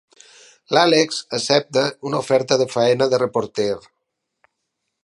L'Alex accepta una oferta de feina de reporter.